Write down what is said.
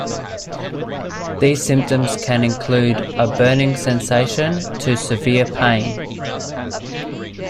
These symptoms can include a burning sensation to severe pain.